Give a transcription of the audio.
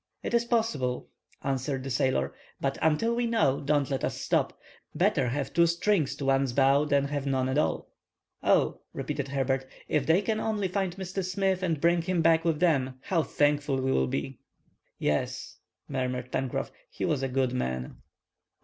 "It is possible." answered the sailor, "but, until we know, don't let us stop. Better have two strings to one's bow than none at all!" "Oh," repeated Herbert, "if they can only find Mr. Smith, and bring him back with them, how thankful we will be!" "Yes," murmured Pencroff. "He was a good man."